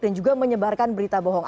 dan juga menyebarkan berita bohong